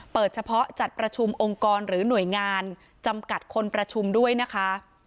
เฉพาะจัดประชุมองค์กรหรือหน่วยงานจำกัดคนประชุมด้วยนะคะ